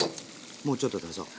もうちょっと足そう。